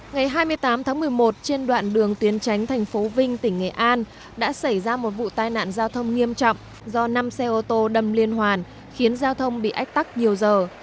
ngày hai mươi tám tháng một mươi một trên đoạn đường tuyến tránh thành phố vinh tỉnh nghệ an đã xảy ra một vụ tai nạn giao thông nghiêm trọng do năm xe ô tô đâm liên hoàn khiến giao thông bị ách tắc nhiều giờ